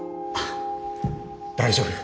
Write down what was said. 大丈夫。